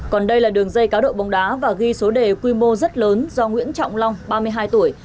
còn đây là đường dây cá độ bóng đá và ghi số đề quy mô rất lớn do nguyễn trọng long ba mươi hai tuổi